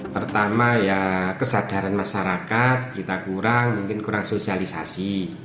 pertama ya kesadaran masyarakat kita kurang mungkin kurang sosialisasi